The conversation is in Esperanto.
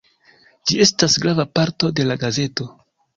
Ĝi estas grava parto de la gazeto.